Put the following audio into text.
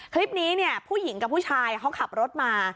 คลิปนี้เนี่ยผู้หญิงกับผู้ชายเขาขับรถมา